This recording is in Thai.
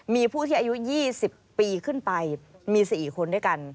มีผู้ที่อายุ๒๐ปีขึ้นไปมี๔คนด้วยกัน